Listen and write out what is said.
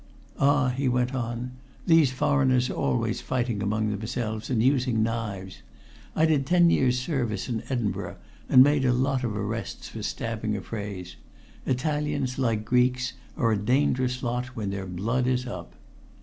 "Ah," he went on, "these foreigners are always fighting among themselves and using knives. I did ten years' service in Edinburgh and made lots of arrests for stabbing affrays. Italians, like Greeks, are a dangerous lot when their blood is up."